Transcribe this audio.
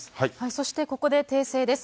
そしてここで訂正です。